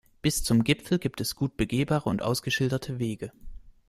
Bis zum Gipfel gibt es gut begehbare und ausgeschilderte Wege.